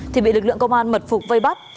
thì bị lực lượng công an mật phục vây bắt